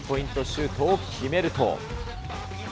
シュートを決めると。